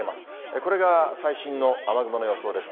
これが最新の雨雲の予想です。